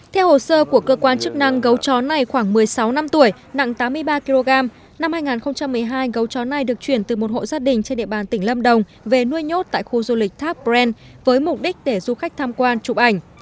theo hồ sơ của cơ quan chức năng gấu chó này khoảng một mươi sáu năm tuổi nặng tám mươi ba kg năm hai nghìn một mươi hai gấu chó này được chuyển từ một hộ gia đình trên địa bàn tỉnh lâm đồng về nuôi nhốt tại khu du lịch thác bren với mục đích để du khách tham quan chụp ảnh